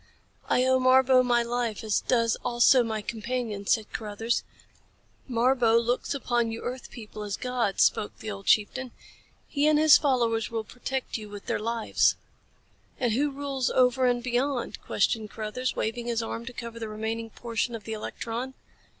"I owe Marbo my life as does also my companion," said Carruthers. "Marbo looks upon you earth people as gods," spoke the old chieftain. "He and his followers will protect you with their lives." "And who rules over and beyond?" questioned Carruthers, waving his arm to cover the remaining portion of the electron.